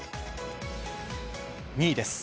２位です。